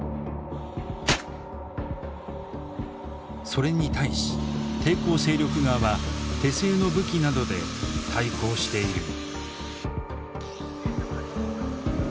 それに対し抵抗勢力側は手製の武器などで対抗している。